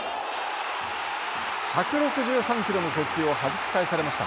１６３キロの速球をはじき返されました。